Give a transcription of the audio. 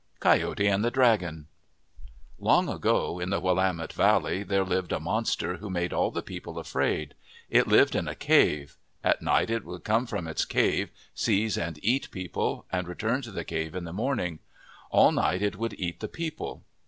"5 MYTHS AND LEGENDS E COYOTE AND THE DRAGON ONG ago, in the Willamette Valley, there lived a monster who made all the people afraid. It lived in a cave. At night it would come from its cave, seize and eat people, and return to the cave in the morning. All night it would eat the people.